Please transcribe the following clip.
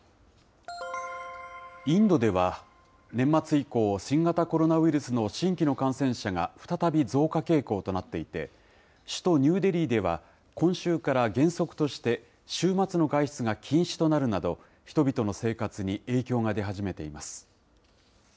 インドでは年末以降、新型コロナウイルスの新規の感染者が再び増加傾向となっていて、首都ニューデリーでは、今週から原則として、週末の外出が禁止となるなど、人々の生活に影響が出始めています。